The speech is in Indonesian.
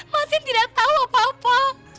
mas zain tidak tahu apa apa